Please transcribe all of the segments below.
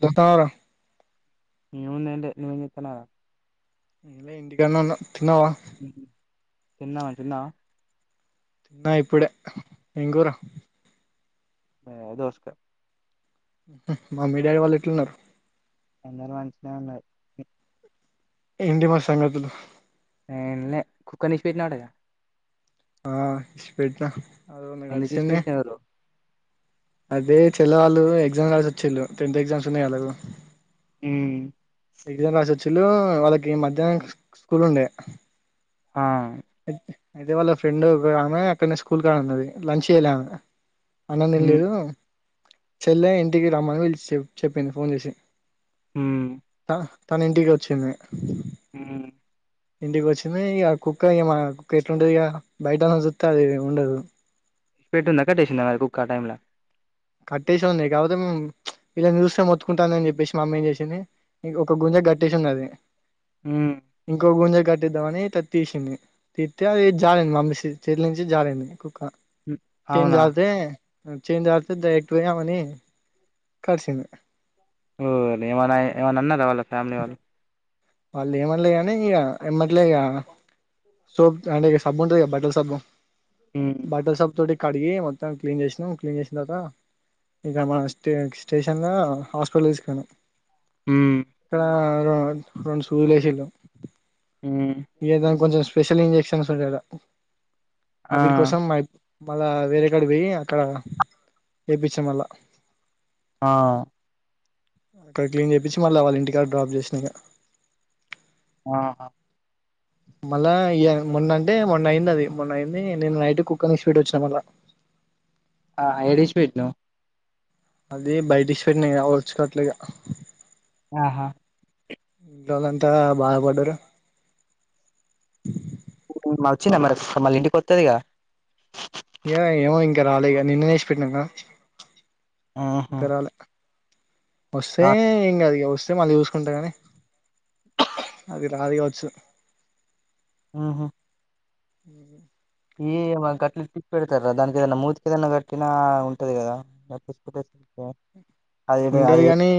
తుంతవురా ఎం ఉంది ఏంటే నువ్ ఎం చెత్తనావు రా ఎమ్ లే ఇంటికన్నె ఉన్నా తిన్నావా ఉహు తిన్నావాయి తిన్నావా తిన్న ఇప్పుడే ఎం కూర మే దోస్ కాయ్ మమ్మీ డాడీ వాళ్ళు ఏట్ల ఉన్నారు అందరు మంచిగానే ఉన్నరు ఏంటి మరి సంగతులు ఎమ్ లే కుక్క ను ఇష్ పెట్టినవట గదా ఆ ఇష్ పెట్టిన ఎందుకు ఇడిషి పెట్టినావురో అదే చెల్లవాళ్ళు ఎగ్జామ్స్ రాసి వచ్చిల్లు టెన్త్ ఎగ్జామ్స్ ఉన్నాయి వాళ్లకు ఉమ్ ఎగ్జామ్ రాసి వొచ్చిలు వాళ్ళకి మధ్యాహ్నం స్కూల్ ఉండే ఆ అ అయితే వాళ్ళ ఫ్రెండ్ ఒక ఆమె అక్కడనే స్కూల్ కా ఉన్నది లంచ్ చేయలే ఆమె అన్నం ఉమ్ తిన్లేదు చెల్లె ఇంటికి రమ్మని పిల్స్ చెప్పింది ఫోన్ చేసి ఉమ్ త తన ఇంటికి వచ్చింది ఉమ్ ఇంటికి వచ్చింది ఇగ కుక్క ఇ మా కుక్క ఎట్లాండది ఇక బయటన్న చూస్తే అది ఉండదు పెట్టుందా కట్టేసిందా మరి కుక్క ఆ టైం లా కట్టేస ఉంది కాపోతే మేము ఇమని చూస్తే మొత్తుకుంటానని చెప్పేసి మామ్మ ఎం చేసింది ఇంకొక గుంజ గట్టేసింది అది ఉమ్ ఇంకా గుంజ కట్టిద్దామనిది తీసింది తీత్తే అది జారింది మమ్మ చెత్ల నుంచి జారింది చేంజ అవునా ఆతే ఉమ్ చేంజ్ డైరక్ట్ పోదామని కడసింది ఓ ఏమనా ఏమైనా అన్నారా వాళ్ళ ఫ్యామిలీ వాళ్ళు వాళ్ళు ఏమన్లే గనీ ఇగ వెళ్ళట్లే గా సోప్ అంటే ఇక సబ్బు ఉంటది బట్టల సబ్బు ఉమ్ బట్టల సబ్ తోటి కడిగి మొత్తం క్లీన్ చేసినాం క్లీన్ చేసిన తర్వాత ఇంకడ మన స్టే స్టేషన్ల హాస్పిటల్ తీసుకెల్నా ఉమ్ కా [unintelligible] రొండు సూదులు ఎషిళ్లు ఉమ్ ఏద కొంచెం స్పెషల్ ఇంజెక్షన్స్ ఉండల ఆ అవిటి కోసం మై మళ్ళా వేరే కాడ పోయి అక్కడ చెప్పించా మళ్ళా ఆ అక్కడ క్లీన్ చేపిచ్చి మళ్ళీ వాళ్ళ ఇంటికాడ డ్రాప్ చేసిన ఇక ఆ మళ్ళా ఇగ మొన్న అంటే మొన్న అయింది అది మొన్న అయింది నేను నైట్ కుక్కని ఇడిచిపెట్టివచ్చిన మళ్ళా ఆహ ఏడ ఇడీసీపెట్టినవ్ అది బయట ఇష్పెట్టినా కద ఒర్చుకోట్లేగా ఆహా ఇయలంతా బాదపడ్డర వచ్చింద మరి సు మ ఇంటికి వత్తదిగా య ఏమో ఇంకా రాలేక నిన్ననేసిపెట్టిన ఆహా ఇంగరల వస్తే రా. ఎంగాదు ఇగ మళ్ళ చూసుకుంట కానీ అది రాదు కావచ్చు ఆహా అ ఈ గట్లు తీచ్చ పెడతారా దానికి ఏదనా మూతికి ఏదైనా గట్టినా ఉంటది కట్టి పెట్టే ఉంటేది కాని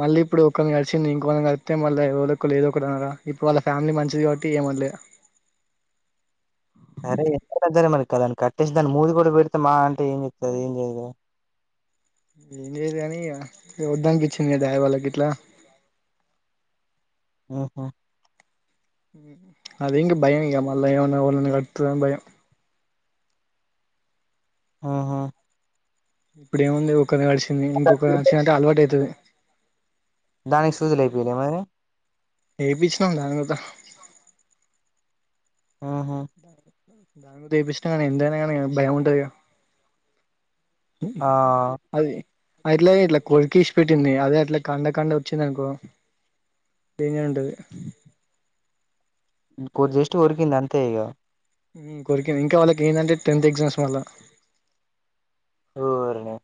మళ్ళీ ఇప్పుడు ఒకళ్ళ ని కరిచింది ఇంకొళ్ళ ని కరిస్తే మళ్ళ ఎవరోకరు ఏదొకటి అనరా ఇప్పుడు వాళ్ళ ఫ్యామిలీ మంచిది కాబట్టి ఏమనలే సరే ఎంతద్దర మనకిాని కట్టేసి దాని మూది కూడా పెడితే మా అంటే ఏం చెప్తుారు ఏం చేయ కా [unintelligible] ఏదని దని పిచ్చని దయ వాళ్ళు కిట్లా ఆహా అది ఇంగ భయం ఇంకా మళ్ళ ఏవన్న [unintelligible] ఆహా ఇప్పుడ ఏముంది ఒకక్క నడిింది ఇంకొక నచ్చినంటే అలవాటు అయితుంది దానికి సదులు అయిపోయినియ మరి ఏేపించినాం దాని కంత ఆహా దపించ నా కానీ ఎంత అయిన కాని భయము ఉంటది కదా ఆ అది అదిట్లాఇట్లా కొరికి విడిచిపెట్టింది అదే అట్లకండ కండ వచ్చిం దనుకో డెంజర్ ఉంటది కొది జస్ట్ కొరికింది అంతే ఇక కోరికింది ఇంకా వాళ్ళకి ఏందంటే టెన్త్ ఎగ్జామ్స్ మళ్ళ ఓరిని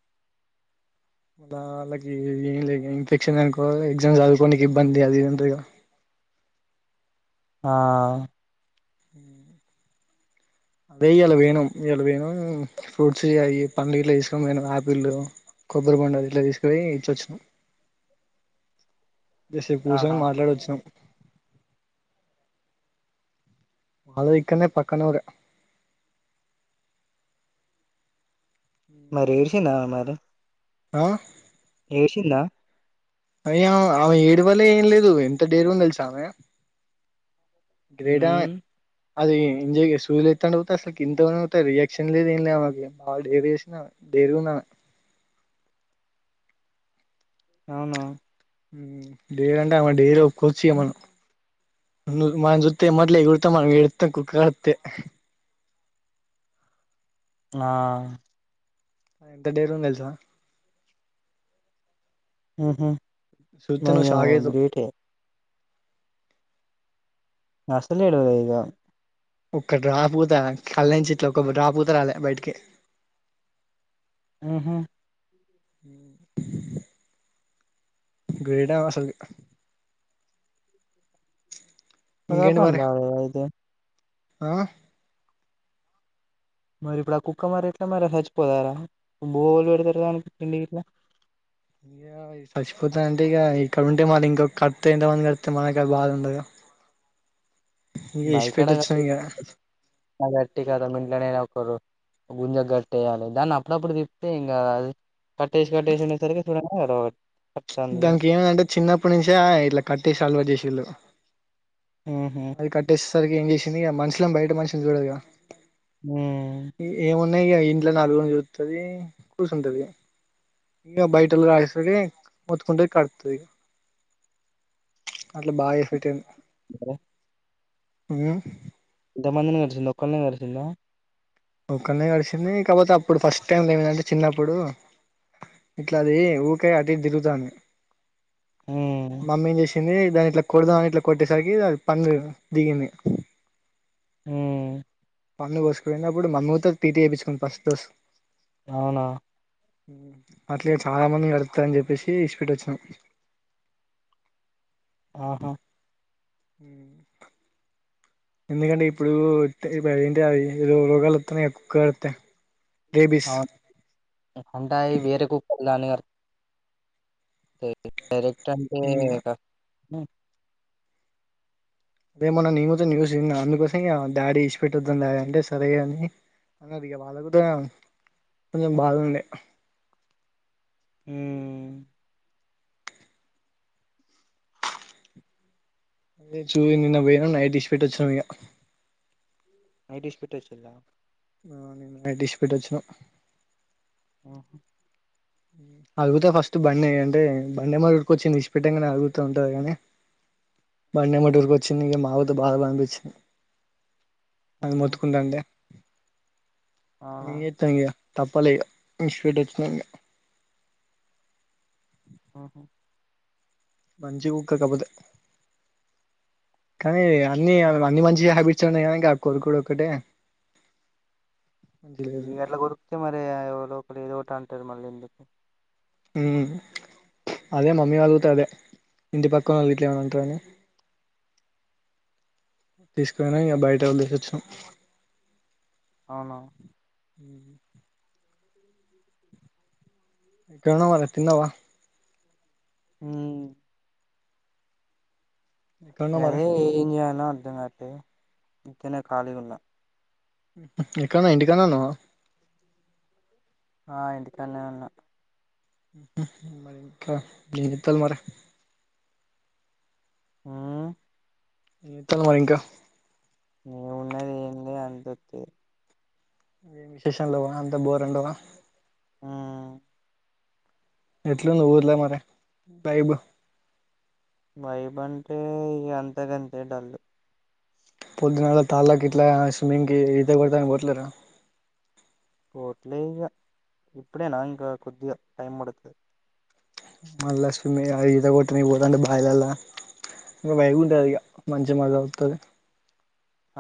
వాళ్ళకి ఏం లేదు ఇన్ఫెక్షన్ అనుకో ఎగ్జామ్ చదువుకోనికి ఇబ్బంది అది ఇది ఉంటది కదా ఆ హ వేయ్యలా వేనాం ఇలా వేనాం ఫ్రూట్స్ అయి పండ్లు ఇట్లా తీసుకోనిఆపిల్ కొబ్బరి బోండాలు డు ఇట్లా తీసుకో ని ఇచ్చొచ్చినం కాసేపు ఆహా కూర్చొనని మాట్లాడి వచ్చినాం వాళ్ళు ఇకనే పక్కనూరే మరి ఏడుషిం నా మరి ఆ ఏసిందా అయ ఆమె ఏడు వలే ఏం లేదు ఎంత డేరు గా ఉంది తెలుసా ఆమె గ్రేడా ఉమ్ అది ఇంజ సూదులు ఎతుండి పోతే అసలు ఇంత పోత రియాక్షన్ లేదు ఏం లేదు బాగా డేర్ చేసినా డేరు గా ఉంది ఆమె అవును డేరంటే ఆమె డేర్ కోల్చియమను మ జతే మొదలే [unintelligible] మన వెళ్తుా కుక తె ఆ ఎంత డేరు ఉంది తెలుసా ఆహా చూత్తే మరి నువ్వు షాక్ ఆమె అయితవ్ గ్రేటే అస్సలు ఎడువది ఇగా ఒక్క డ్రాప్ కుత కళ్ళ నుంచి ఇట్లా ఒక్క డ్రాప్ పూత రాలే బయటికి మ్ హు హ గ్రేడ్ అవి అసలు ఇంకేంటి మరి [unintelligible] అయితే ఆ మరి ఇప్పుడు ఆ కుక్క మరి ఎట్లా మరి చచ్చిపోతారా బువ్వలుఎవరు పెడతారు దానికి తిండి గిట్లా ఇంకా చచ్చిపోత అంటివిగా ఇక్కడ ఉంటే మళ్ళ ఇక్కడుంటే కళ్తే ఎంత మంది కళ్తే మనకు అ బాధ ఉండదు ఇగ ఇష్పేటి వచ్చిన ఇగ మరి అట్టిగ మింట్నేనా ఒకరు గుంజకు కట్టేయ్యాలె దాన్ని అప్పుడప్పుడు తిప్తే ఎం కాదు అది కట్టేసి కట్టేసి ఉండేసరికే చూడంగానే ఎడ్ దానికి ఏమందంటే చిన్నప్పటి నుంచే ఇట్లా కట్టేసి అల్వట్ చేసిళ్ళు ఊహూ అది కట్టేస్ సరికి ఏం చేసింది ఇగ మనుషిలను బయట మనిషిని చూడదిగా ఊ ఏమన్ నే ఇగ ఇంట్ల నాలుగురిని చూతది కూసుంటది ఇగ ఇగ బయటళ్ళు కాసేసుడి మొత్తుకుంటది కర్తది ఇగ అట్ల బాగా ఎఫెక్ట్ ఆఇంది హలో మ్ ఎంతమందిని కరిసింది ఒక్కల్నే కరిసిందా ఒక్కల్నే కరిచింది కాపోతే అప్పుడు ఫస్ట్ టైం ఏమైదంటే చిన్నప్పుడు ఇట్లాది ఊరికే అటు ఇటు తిరుగుతాంది ఊ మమ్మెమ్ చేసి చ్చింది దాన్ని ఇట్లా కొడుదామని ఇట్లా కొట్టేసరికి ద పన్ను దిగింది మ్ పన్ను కోసుకపోఇంది అప్పుడు మమ్మీ గుత టీ టీ ఏపిచ్చుకుంది ఫస్ట్ రోజ్ అవునా అట్లే ఇగ చాలా మందిని కర్తది అని చెప్పేసి ఇస్పెట్టి వచ్చినాం ఆహా హ ఎందుకంటే ఇప్పుడు ఇత్ ఇప్పుడు ఏంటిదది రో రోగాలోతనైగా కుక్క కర్తె రేబిస్ అవును అంటే అయి వేరే కుక్కలు దాన్ని కర్ తై డైరెక్ క్ట్ అంటే కర్ ఉ అదేమొన్నా నేను గుత న్యూస్ ఇన్న అందుకోసం ఇంగ డాడీ ఇస్పెట్టి వద్దాం డాడీ అంటే సరే ఇగ అని అన్నారు ఇగ వాళ్ళ గుత కొంచెం బాదుండే హు మ్ అదే చూ నిన్న పోయనం నైట్ ఇస్పెట్టి వచ్చినం ఇగ నైట్ ఇస్పెట్టి వచ్చిల్ల ఆ నిను డిష్ పెట్ వచ్చినవ్ ఆహా అడుగుతా ఫస్ట్ బండి ఏయంటే, బండిమో ఇడుకు వచ్చింది ఇస్పిటంగానే అడుగుతా ఉంటది కాని, బండిమఊరికి వచ్చింది ఇంక మాకుతో బాగా పనిపించింది అది ఉహు మొత్తుకుంటాంటే అవునా లేతయ్య తప్పాలేగా ఇ స్వీట్ వచ్చినాక ఆహ మంచి కుక్కకపోతే, కానీ అన్ని అన్ని మంచి హ్యాబిట్స్ ఉన్నాయి కానీ ఇంకా కొడుకు ఒకక్కటే ఇగ అట్ల కోరుకుతే మరరే ఎవలో అప్పుడ ఏదోట అంటారు మళ్ళీ ఎం మ్ అదే మమ్మీ వాళ్లతో, అదే ఇంటి పక్కన వాళ్ళ ఇట్లా ఏమనా అంటారని, తీసుకుని ఇం బయట వదిలేసి వచ్చినం అవునా హ కనా మర తిన్నావా మ్ ఎక్కడున్నావ్ మరి అదే ఏం చేయాల నింగా అంటే ఇంకనే ఖాళీగా ఉన్నా ఇక్కన్నా ఇంటికనే ఉన్నావా ఆ ఇంటికనే ఉన్నా మరి ఇంకా జత్తల మరి మ్ ఎత్తన్నా మరింకా నేవున్నది ఏంది అంతతి ఏం విశేష లేవా అంత బోరుండవా మ్ ఎట్లు ఉంది ఉర్లో మరి వైబ్ వైబ్ అంటే అంతగంతే డల్లుు పొద్దునళ్ తాళ్ళకి ఇట్లా స్విమ్మింగ్ కి ఇద కొడతా అని పోట్లేరా హట్లేగా ఇప్పుడేన ఇంకా కొద్దిగా టైం పడుతుదు మళ్ళా స్విమ్మి అ ఈత కొట్టని పోతుంటే బావిలల్లో, ఇం వైబ్ ఉంటుది ఇక మంచిగా మజా వస్తది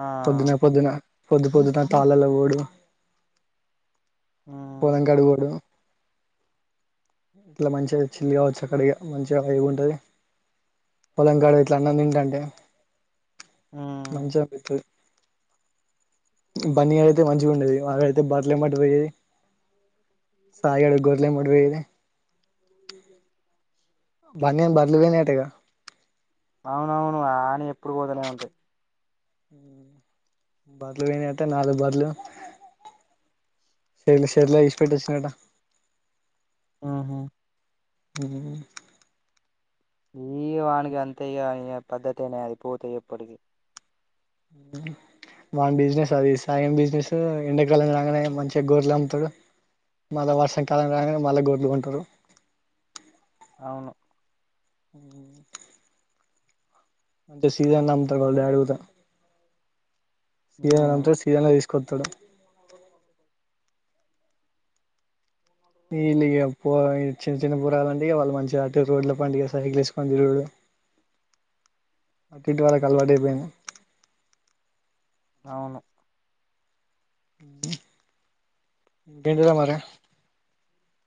ఆ పొద్దునా పొద్దినా పొద్దు పొద్దున తాళల ఓడు ఉమ్ పొలంకాడు [unintelligible] ఇట్లా మంచిగా చిల్ కావచ్చు అక్కడి మంచిగా వైబ్ ఉంటుంది, పొలంకాడు ఇట్లా అన్న తింటంటే ఉమ్ మంచిగా అనిపిస్తది బన్న అయితే మంచిగా ఉండేది వా అయితే బట్టలు ఏమట్ పోయేది సాయగాడు గోర్లే మడపోయేది బన్నను బర్లు పోనేటగా అవునవును ఆని ఎప్పుడు పోతూనే ఉంటాయి బట్టలు పోయినట నాలుగు బట్లు [unintelligible] తీసి పెెట్టిచ్చినట మ్ హు ఆ ఇ వానికి అంతేగా ఇ పద్ధతి అనే అది పోూత ఎప్పటికీ బా బిజినెస్ అది సాయం బిజినెస్ ఎండాకాలం రాగానే మంచిగా గోడ్లు అమ్ముతారు, మళ్ళా వర్షాకాలం రాగానే మళ్ళా గొడ్లు కొంటారు అవును. ఆ మంచి సీజన్ నమ్ తగదు అడుగుదం [unintelligible] సియ్యన్న కుతుడు మ విల్లిగా చిన్న చిన్న పురలుంటే వాళ్ళు మంచిగా అటు రోడ్ల పండుగ సైకిల్ వేసుకొని తిరుడు అటుంటి వాళ్ళకి అలవాటు అయిపోయింది. అవును. ఇంకేంటి రా మరి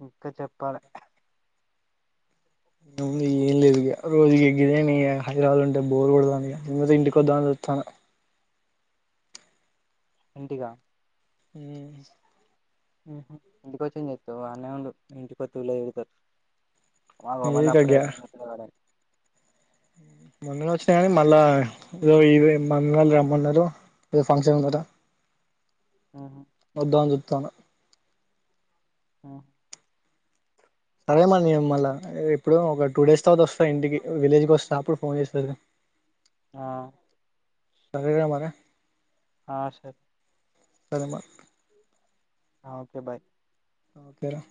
ఇంకా చెప్పాలే నువ్ ఏం లేదు ఇక రోజు ఎగిదే న హైదరాబాద్ ఉంటే బోర్ కొడదాది ఇంటికి వద్దా అని చస్తాను ఇంటిగా ఊ ఊహు ఇంటికొచ్చి ఏం చేస్తావ్ అన్నే ఉండు ఇంటికొత్తే ఊర్లో తిరుగుతర్. అగోమల్ల ఏదిక అప్పుడే గ్యా వచ్చి నట్ట్గా మొన్ననే వచ్చినాయి కానీ మళ్ళా ఏదో ఇదో మా అమ్మవాళ్ళు రమ్మన్నారు ఏదో ఫంక్షన్ ఉందంట ఆహా! మధ్యాన్నాం చేబుతాను. ఆ సరే మమ్మల్ళ ఎప్పుడో ఒక టూ డేస్ తర్వాత వస్తా ఇంటికి విలేజ్కి వస్తా అప్పుడు ఫోన్ చేసీ పెడదాం. ఆ సరేరా మరి ఆ సరే సరే మరి ఆ ఓకే బాయ్ ఓకేరా